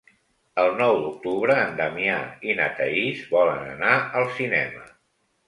El nou d'octubre en Damià i na Thaís volen anar al cinema.